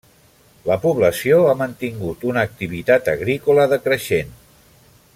La població ha mantingut una activitat agrícola decreixent.